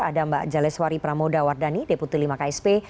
ada mbak jaleswari pramoda wardani deputi lima ksp